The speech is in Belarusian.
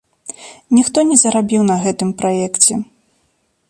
Ніхто не зарабіў на гэтым праекце.